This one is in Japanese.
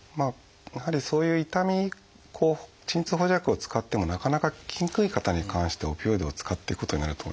やはりそういう痛み鎮痛補助薬を使ってもなかなか効きにくい方に関してはオピオイドを使っていくことになると思います。